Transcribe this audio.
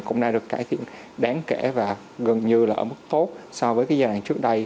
cũng đã được cải thiện đáng kể và gần như là ở mức tốt so với cái giai đoạn trước đây